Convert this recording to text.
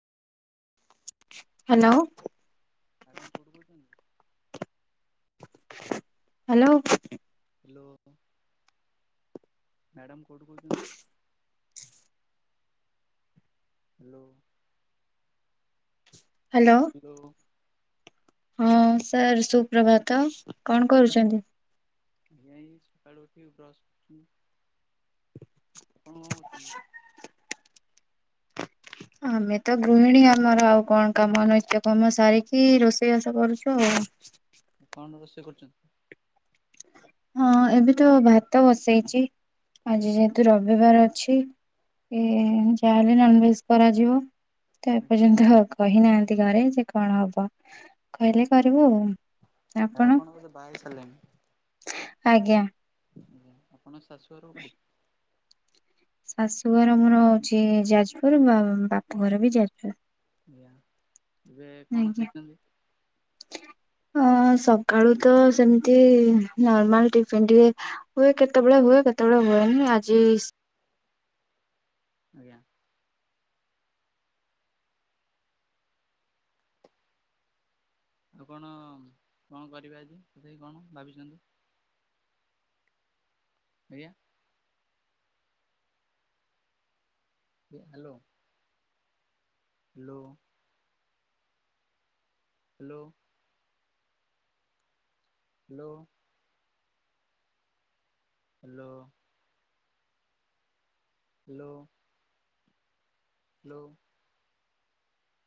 Hello. Madam କେଉଁଠୁ କହୁଛନ୍ତି? Hello. Hello madam କୋଉଠୁ କହୁଛନ୍ତି? ହ୍ୟାଲୋ। ହ୍ୟାଲୋ। ହିଲୋ। ହଁ ସାର୍ ସୁପ୍ରଭାତ କଣ କରୁଛନ୍ତି? ଏଇ ସକାଳୁ ଉଠିକି ବର୍ସ ଆପଣ କଣ କରୁଥିଲେ? ଆମେ ତ ଗୃହିଣୀ ଆମର ଆଉ କଣ କାମ ନାଇ କାମ ସାରିକି ରୋଷେଇବାସ କରୁଛୁ ଆଉ। କଣ ରୋଷେଇ କରୁଛନ୍ତି? ହଁ ଏବେ ତ ଭାତ ବସେଇଛି ଆଜ୍ଞା। ଆଜି ଯେହେତୁ ରବି ରବିବାର ଅଛି ଇ ଯାହାହେଲେ ନନ୍ ଭେଜ୍ କରାଯିବ। ତ ଏପର୍ଯ୍ୟନ୍ତ କହିନାହାନ୍ତି ଘରେ ଯେ କଣ ହବ କହିଲେ କରିବୁ ଆଉ। ଆପଣ ବୋଧେ ବାହା ହେଇସାରିଲେଣି। ଆଜ୍ଞା। ଆଜ୍ଞା ଆପଣଙ୍କ ଶାଶୁଘର କୋଉଠି? ଶାଶୁଘର ମୋର ହଉଛି ଯାଜପୁର ବା-ବାପ ଘର ବି ଯାଜପୁର। ଆଜ୍ଞା ଏବେ କଣ ଖାଇଛନ୍ତି? ହଁ ଅ ସକାଳୁ ତ ସେମିତି ନର୍ମାଲ ଟିଫିନ୍ ଟିକେ ହୁଏ କେତେବେଳେ ହୁଏ କେତେବେଳେ ହୁଏନି ଆଜି ଆଜ୍ଞା। ଆଉ କଣ କଣ କରିବେ ଆଜି ତଥାପି କଣ ଭାବିଛନ୍ତି? ଆଜ୍ଞା? ବେ hello. Hello. Hello. Hello. Hello. Hello. Hello.